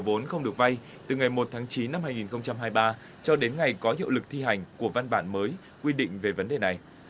vốn không được vay từ ngày một tháng chín năm hai nghìn hai mươi ba cho đến ngày có hiệu lực thi hành của văn bản mới quy định về vấn đề này